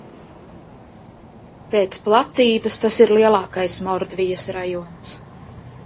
Pēc platības tas ir lielākais Mordvijas rajons.